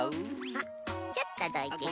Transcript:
あっちょっとどいてね。